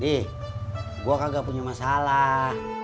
nih gua kagak punya masalah